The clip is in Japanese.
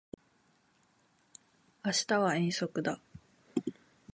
明日は遠足だ